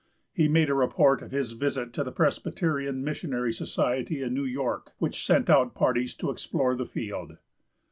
He made a report of his visit to the Presbyterian Missionary Society in New York, which sent out parties to explore the field.